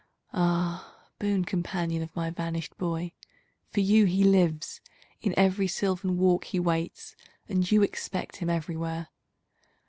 Ah, boon companion of my vanished boy. For you he lives; in every sylvan walk He waits; and you expect him everywhere.